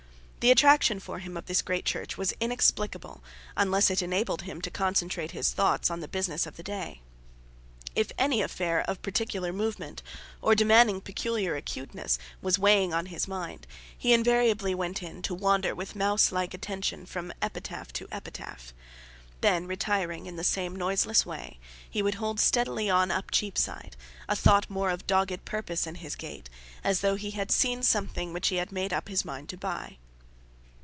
The attraction for him of this great church was inexplicable, unless it enabled him to concentrate his thoughts on the business of the day. If any affair of particular moment, or demanding peculiar acuteness, was weighing on his mind, he invariably went in, to wander with mouse like attention from epitaph to epitaph. Then retiring in the same noiseless way, he would hold steadily on up Cheapside, a thought more of dogged purpose in his gait, as though he had seen something which he had made up his mind to buy.